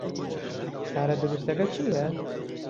کارە دروستەکە چییە؟